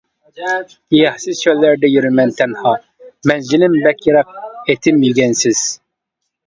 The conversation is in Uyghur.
گىياھسىز چۆللەردە يۈرىمەن تەنھا، مەنزىلىم بەك يىراق ئېتىم يۈگەنسىز.